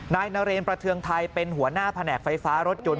นายนเรนประเทืองไทยเป็นหัวหน้าแผนกไฟฟ้ารถยนต์